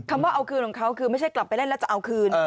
ว่าเอาคืนของเขาคือไม่ใช่กลับไปเล่นแล้วจะเอาคืน